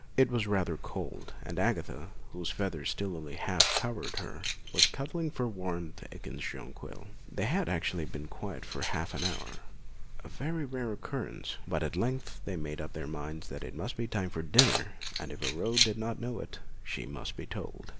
It was rather cold, and Agatha, whose feathers still only half covered her, was cuddling for warmth against Jonquil. They had actually been quiet for half an hour a very rare occurrence but at length they made up their minds it must be time for dinner, and if Aurore did not know it, she must be told.